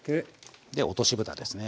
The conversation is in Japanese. で落としぶたですね。